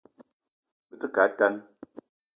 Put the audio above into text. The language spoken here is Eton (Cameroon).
Me te ke a tan